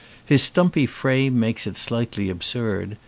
His stumpy frame makes it slightly ab surd.